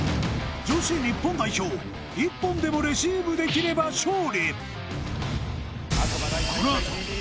女子日本代表１本でもレシーブできれば勝利